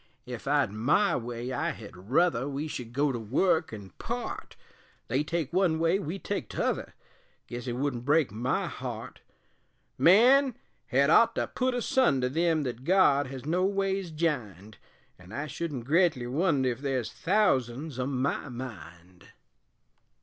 Ef I'd my way I hed ruther We should go to work an' part They take one way, we take t'other Guess it wouldn't break my heart; Man hed ought to put asunder Them thet God has noways jined; An' I shouldn't gretly wonder Ef there's thousands o' my mind.